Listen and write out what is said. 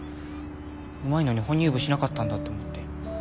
うまいのに本入部しなかったんだって思って。